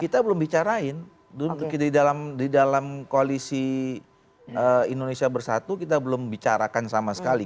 kita belum bicarain di dalam koalisi indonesia bersatu kita belum bicarakan sama sekali